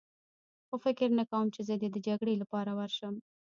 خو فکر نه کوم چې زه دې د جګړې لپاره ورشم.